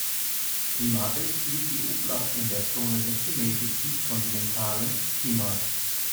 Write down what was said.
Klimatisch liegt die Oblast in der Zone des gemäßigten kontinentalen Klimas.